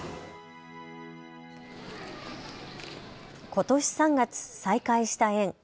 ことし３月、再開した園。